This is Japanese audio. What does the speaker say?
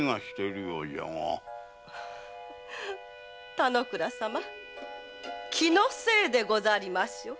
田之倉様気のせいでござりましょう。